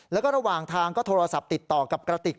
แล้วก็ระหว่างทางก็โทรศัพท์ติดต่อกับกระติก